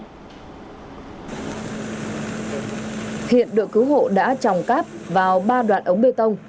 hiện đội cứu hộ đã tròng cáp vào ba đoạn ống bê tông